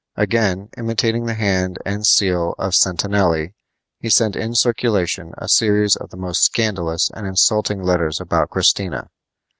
Again, imitating the hand and seal of Sentanelli, he set in circulation a series of the most scandalous and insulting letters about Christina.